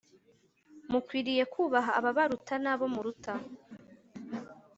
mukwiriye kubaha ababaruta nabo muruta